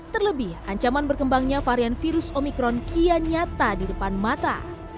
terlebih ancaman berkembangnya varian virus omikron kian nyata di depan mata